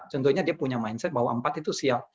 contohnya dia punya mindset bahwa empat itu siap